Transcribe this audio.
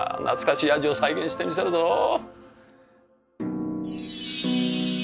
懐かしい味を再現してみせるぞ！